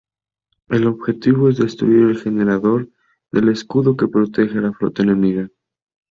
El objetivo es destruir el generador del escudo que protege a la flota enemiga.